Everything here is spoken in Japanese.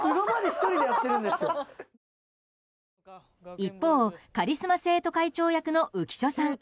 一方、カリスマ生徒会長役の浮所さん。